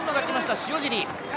塩尻。